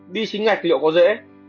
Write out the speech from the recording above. đi chính ngạch liệu có dễ